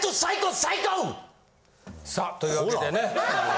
さあという訳でね。